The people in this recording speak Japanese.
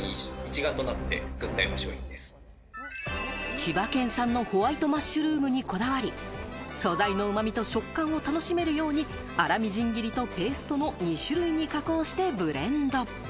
千葉県産のホワイトマッシュルームにこだわり、素材の旨味と食感を楽しめるように、粗みじん切りとペーストの２種類に加工してブレンド。